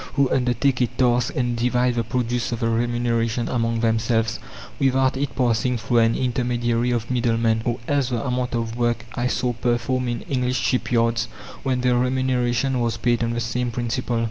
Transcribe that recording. who undertake a task and divide the produce or the remuneration among themselves without it passing through an intermediary of middlemen; or else the amount of work I saw performed in English ship yards when the remuneration was paid on the same principle.